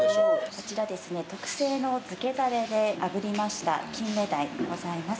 こちらですね特製の漬けダレで炙りました金目鯛でございます。